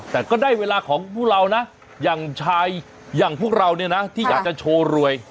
แต่ก็ได้เวลาของพวกเรานะอย่างชายอย่างพวกเราเนี่ยนะที่อยากจะโชว์รวย